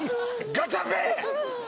ガチャピン！